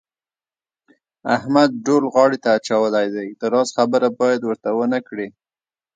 احمد ډول غاړې ته اچولی دی د راز خبره باید ورته ونه کړې.